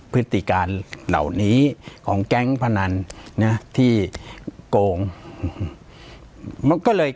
ปากกับภาคภูมิ